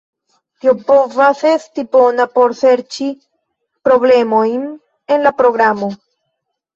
Tio povas esti bona por serĉi problemojn en la programo.